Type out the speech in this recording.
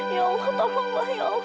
ya allah tolonglah ya allah